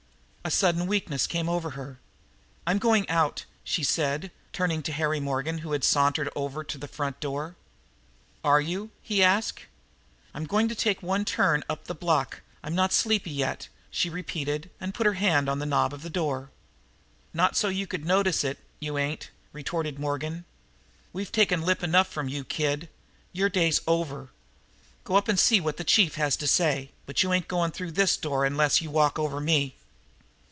A sudden weakness came over her. "I'm going out," she said, turning to Harry Morgan who had sauntered over to the front door. "Are you?" he asked. "I'm going to take one turn more up the block. I'm not sleepy yet," she repeated and put her hand on the knob of the door. "Not so you could notice it, you ain't," retorted Morgan. "We've taken lip enough from you, kid. Your day's over. Go up and see what the chief has to say, but you ain't going through this door unless you walk over me."